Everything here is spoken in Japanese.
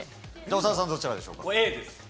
長田さんどちらでしょうか？